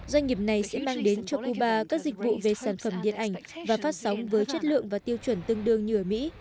doanh nghiệp này sẽ mang đến cho cuba các dịch vụ về sản phẩm điện ảnh và phát sóng với chất lượng và tiêu chuẩn tương đương như ở mỹ